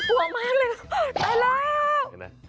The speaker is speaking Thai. น่ากลัวมากเลยตายแล้ว